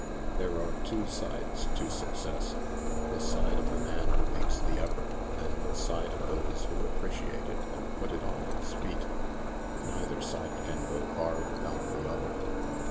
" There are two sides to success — the side of the man who makes the effort and the side of those who appreciate it and put it on its feet. Neither side can go far without the other.